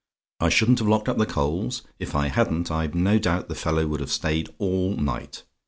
"I SHOULDN'T HAVE LOCKED UP THE COALS? "If I hadn't, I've no doubt the fellow would have stayed all night.